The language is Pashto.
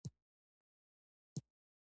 د څوارلسمم سپوږمۍ ښه رڼا کړې وه.